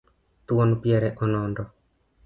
Thuon piere onondo